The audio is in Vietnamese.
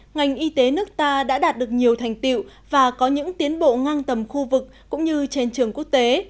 ngành y tế nước ta đã đạt được nhiều thành tiệu và có những tiến bộ ngang tầm khu vực cũng như trên trường quốc tế